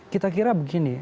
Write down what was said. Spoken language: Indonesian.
kita kira begini